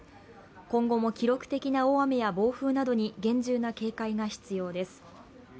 今後も記録的な大雨や暴風などに厳重な警戒が必要です。